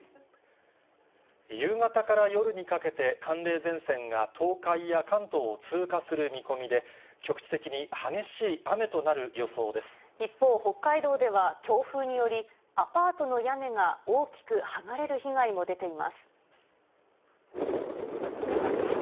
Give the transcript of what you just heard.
夕方から夜にかけて、寒冷前線が東海や関東を通過する見込みで、一方、北海道では強風により、アパートの屋根が大きく剥がれる被害も出ています。